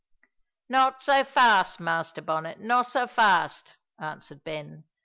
"No' so fast, Master Bonnet, no' so fast," answered Ben.